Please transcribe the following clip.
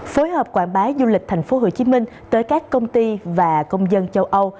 phối hợp quảng bá du lịch tp hcm tới các công ty và công dân châu âu